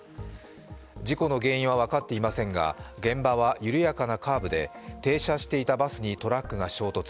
事故の原因は分かっていませんが現場は緩やかなカーブで停車していたバスにトラックが衝突。